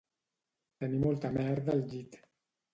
Tenir molta merda al llit